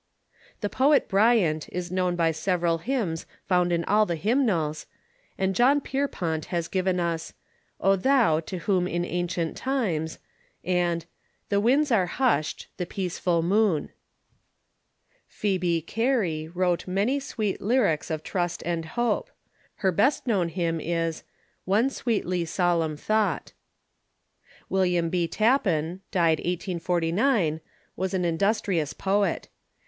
Tbe poet Bryant is known by several bymns found in all tbe hymnals, and John Pierpont has given us "O Thou, to whom in ancient times," and "The winds are hushed, the peaceful moon." Pbcebe Gary wrote many sweet lyrics of trust and hope. Her best known hymn is "One sweetly solemn thought." William B. Tappan (d, 1849) was an industrious poet.